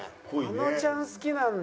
あのちゃん好きなんだ。